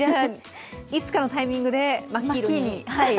いつかのタイミングで真っ黄色に。